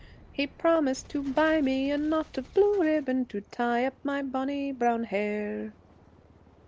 He promised to buy me a knot of blue ribbon To tie up my bonny brown hair.'